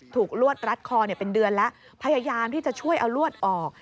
ลวดรัดคอเป็นเดือนแล้วพยายามที่จะช่วยเอาลวดออก